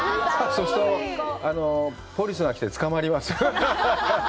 そうすると、ポリスが来て捕まります。